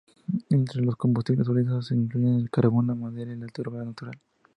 Entre los combustibles sólidos se incluyen el carbón, la madera y la turba natural.